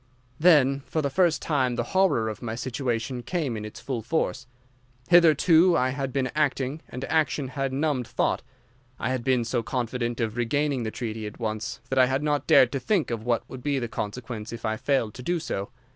"Then for the first time the horror of my situation came in its full force. Hitherto I had been acting, and action had numbed thought. I had been so confident of regaining the treaty at once that I had not dared to think of what would be the consequence if I failed to do so.